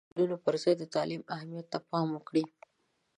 پښتانه باید د خپلو ناسمو دودونو پر ځای د تعلیم اهمیت ته پام وکړي.